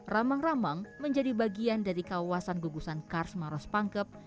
rambang rambang menjadi bagian dari kawasan gugusan kars marospangkep